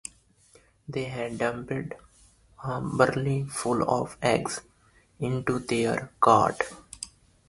They had dumped a barrel full of eggs into their cart.